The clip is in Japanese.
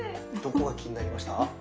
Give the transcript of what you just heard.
どこが気になりました？